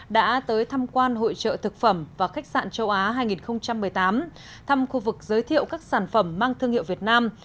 đã tới thăm quan hội trợ thực phẩm và khách sạn châu á hai nghìn một mươi tám thăm khu vực giới thiệu các sản phẩm mang thương hiệu việt nam